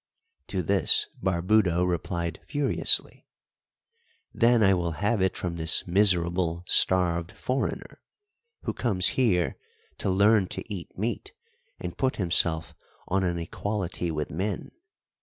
To this Barbudo replied furiously: "Then I will have it from this miserable starved foreigner, who comes here to learn to eat meat and put himself on an equality with men.